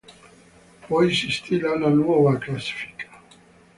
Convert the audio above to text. Poi si stila una nuova classifica.